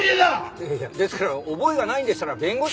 いやいやですから覚えがないんでしたら弁護士。